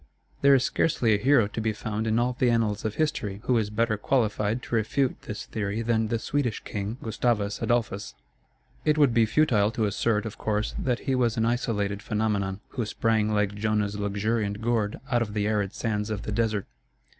There is scarcely a hero to be found in all the annals of history who is better qualified to refute this theory than the Swedish king, Gustavus Adolphus. It would be futile to assert, of course, that he was an isolated phenomenon, who sprang like Jonah's luxuriant gourd out of the arid sands of the desert.